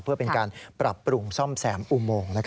เพื่อเป็นการปรับปรุงซ่อมแซมอุโมง